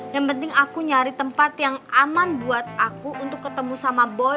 yang penting aku nyari tempat yang aman buat aku untuk ketemu sama boy